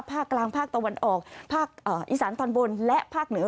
ภาคกลางภาคตะวันออกภาคอีสานตอนบนและภาคเหนือ